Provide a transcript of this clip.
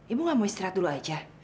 ibu gak mau istirahat dulu aja